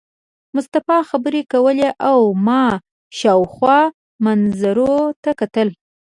مصطفی خبرې کولې او ما شاوخوا منظرو ته کتل.